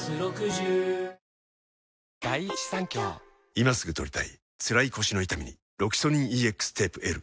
今すぐ取りたいつらい腰の痛みに大判サイズでロキソニン ＥＸ テープ Ｌ